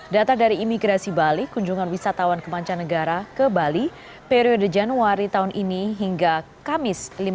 data dari imigrasi bali kunjungan wisatawan kemanca negara ke bali periode januari tahun ini hingga kamis lima belas